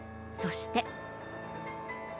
そして。